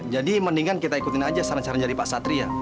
jadi mendingan kita ikutin aja saran saran jadi pak satria